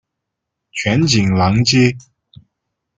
全景廊街。